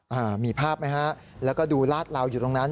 อ่ามีภาพไหมฮะแล้วก็ดูลาดเหลาอยู่ตรงนั้น